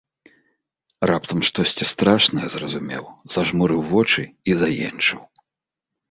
Раптам штосьці страшнае зразумеў, зажмурыў вочы і заенчыў.